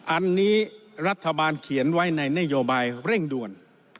อันนี้รัฐบาลเขียนไว้ในนโยบายเร่งด่วน